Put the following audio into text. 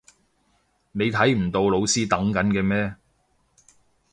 你睇唔到老師等緊嘅咩？